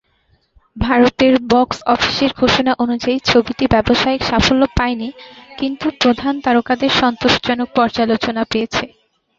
ভারতের বক্স-অফিসের ঘোষণা অনুযায়ী ছবিটি ব্যবসায়িক সাফল্য পায়নি, কিন্তু প্রধান তারকাদের সন্তোষজনক পর্যালোচনা পেয়েছে।